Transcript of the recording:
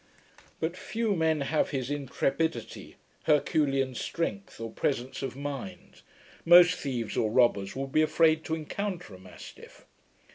But few men have his intrepidity, Herculean strength, or presence of mind. Most thieves or robbers would be afraid to encounter a mastiff.